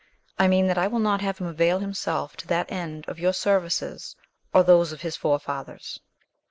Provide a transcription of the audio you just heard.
I mean that I will not have him avail himself to that end of your services or those of his forefathers.